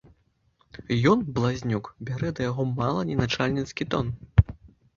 Ён, блазнюк, бярэ да яго мала не начальніцкі тон.